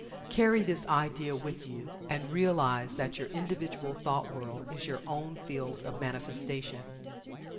Carry this idea with you, and realize that your individual thought world is your own field of manifestation.